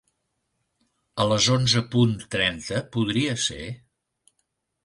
A les onze punt trenta, podria ser?